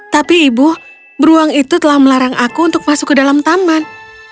tapi ibu beruang itu telah melarang aku untuk masuk ke dalam taman